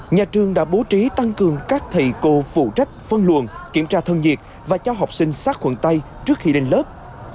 nhà trường đã bố trí tăng cường các thầy cô phụ trách phân luận kiểm tra thân nhiệt và cho học sinh sát khuẩn tay trước khi lên lớp